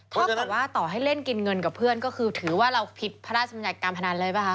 ถ้าต่อว่าต่อให้เล่นกินเงินกับเพื่อนก็คือถือว่าเราผิดพระราชมนัยการพนันเลยเปล่าคะ